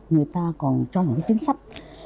người ta còn cho những chính sách